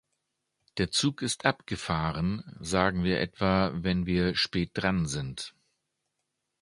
Der Zug ist abgefahren, sagen wir etwa, wenn wir spät dran sind.